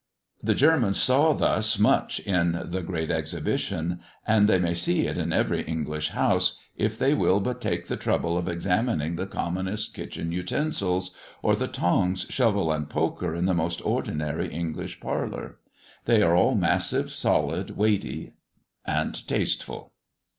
The Germans saw thus much in the Great Exhibition; and they may see it in every English house, if they will but take the trouble of examining the commonest kitchen utensils, or the tongs, shovel, and poker in the most ordinary English parlour. They are all massive, solid, weighty, and tasteful.